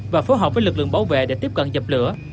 và phối hợp với lực lượng bảo vệ để tiếp cận dập lửa